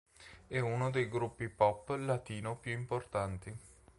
È uno dei gruppi Pop latino più importanti.